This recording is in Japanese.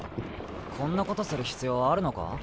こんなことする必要あるのか？